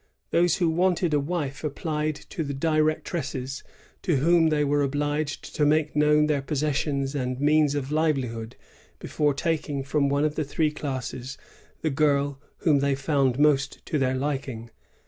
Those who wanted a wife applied to the directresses, to whom they were obliged to make known their possessions and means of livelihood before taking from one of the three classes the girl whom they found most to their liking.